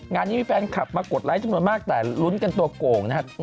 งานนี้มีแฟนคลับมากดไลค์จำนวนมากแต่ลุ้นกันตัวโก่งนะครับ